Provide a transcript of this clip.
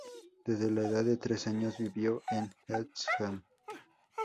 Desde la edad de tres años vivió en East Ham.